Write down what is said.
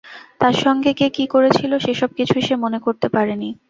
তার সঙ্গে কে কী করেছিল, সেসব কিছুই সে মনে করতে পারেনি।